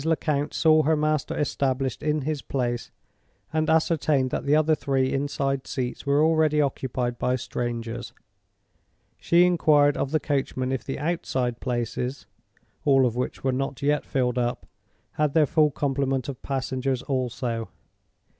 Lecount saw her master established in his place, and ascertained that the other three inside seats were already occupied by strangers. She inquired of the coachman if the outside places (all of which were not yet filled up) had their full complement of passengers also.